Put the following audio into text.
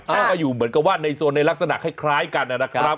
ให้มาอยู่เหมือนกับว่าในโซนในลักษณะคล้ายกันนะครับ